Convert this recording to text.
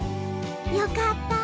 よかった。